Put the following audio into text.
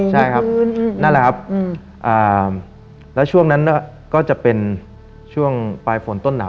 ใช่ครับนั่นแหละครับแล้วช่วงนั้นก็จะเป็นช่วงปลายฝนต้นหนาว